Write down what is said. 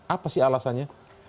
apa sih alasannya